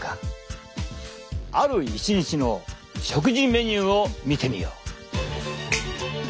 ある一日の食事メニューを見てみよう！